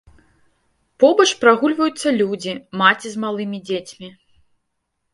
Побач прагульваюцца людзі, маці з малымі дзецьмі.